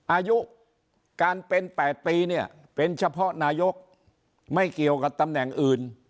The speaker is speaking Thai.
อายุการเป็น๘ปีเนี่ยเป็นเฉพาะนายกไม่เกี่ยวกับตำแหน่งอื่น